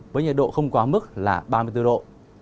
với nhiệt độ không quá mức là ba mươi bốn độ